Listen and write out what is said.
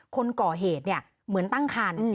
คนก่อเหตุเหมือนตั้งคัน